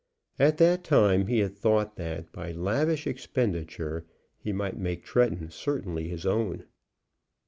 At that time he had thought that by lavish expenditure he might make Tretton certainly his own.